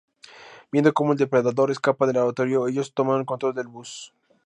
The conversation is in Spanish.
Viendo cómo el Depredador escapa del laboratorio, ellos toman control del bus.